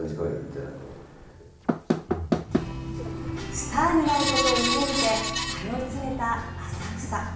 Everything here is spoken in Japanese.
スターになることを夢みて通い詰めた浅草。